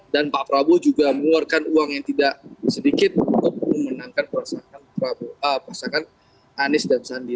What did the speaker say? dan pak prabowo juga mengeluarkan uang yang tidak sedikit untuk memenangkan pasangan anies dan sandi